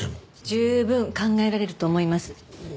十分考えられると思います。